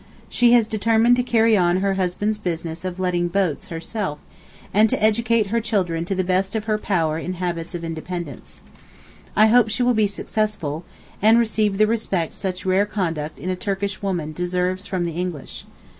She has determined to carry on her husband's business of letting boats herself, and to educate her children to the best of her power in habits of independence. I hope she will be successful, and receive the respect such rare conduct in a Turkish woman deserves from the English.